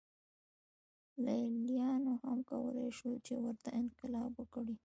لېلیانو هم کولای شول چې ورته انقلاب وکړي